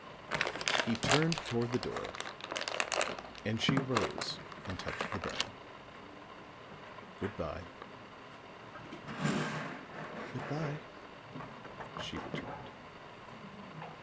He turned toward the door, and she arose and touched the bell. "Good by." "Good by," she returned.